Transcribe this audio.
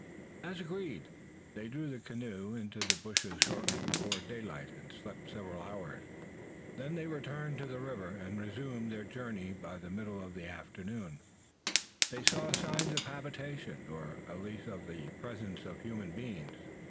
As agreed, they drew the canoe into the bushes shortly before daylight, and slept several hours. Then they returned to the river and resumed their journey. By the middle of the afternoon they saw signs of habitation, or at least of the presence of human beings.